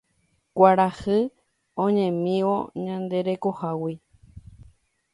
Kuarahy oñemívo ñande rekohágui